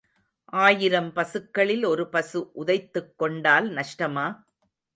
ஆயிரம் பசுக்களில் ஒரு பசு உதைத்துக் கொண்டால் நஷ்டமா?